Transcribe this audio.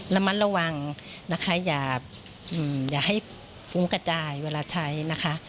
ระมัดระวังนะคะอย่าให้ฟุ้งกระจายเวลาใช้นะคะ